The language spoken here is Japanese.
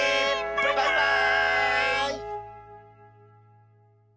バイバーイ！